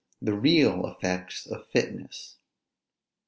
THE REAL EFFECTS OF FITNESS.